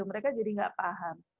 mereka jadi tidak paham